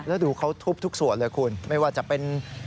แล้วดูเขาทุบทุกส่วนเลยคุณไม่ว่าจะเป็น